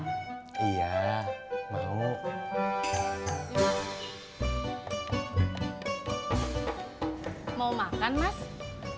memangnya bapak indah mau makan siang